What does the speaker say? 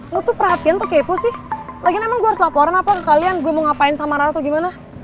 lo tuh perhatian tuh kepo sih lagian emang gue harus laporan apa ke kalian gue mau ngapain sama rara atau gimana